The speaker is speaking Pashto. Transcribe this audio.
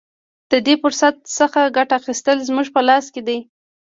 د دې فرصت څخه ګټه اخیستل زموږ په لاس کې دي.